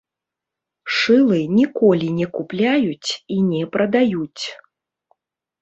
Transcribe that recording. Шылы ніколі не купляюць і не прадаюць.